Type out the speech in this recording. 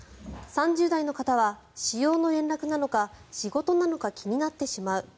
３０代の方は私用の連絡なのか仕事なのか気になってしまう。